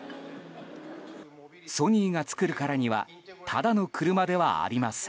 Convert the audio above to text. ソニーが作るからにはただの車ではありません。